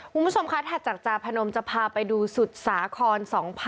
คุณผู้ชมคะถัดจากจาพนมจะพาไปดูสุดสาคร๒๕๖๒